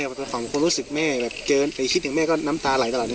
ความความความรู้สึกแม่แบบเกินคิดถึงแม่ก็น้ำตาไหลตลอด